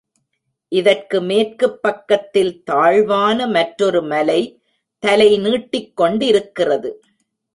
இதற்கு மேற்குப் பக்கத்தில் தாழ்வான மற்றாெரு மலை தலை நீட்டிக்கொண்டிருக்கிறது.